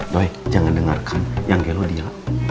doi jangan dengarkan yang gelok dia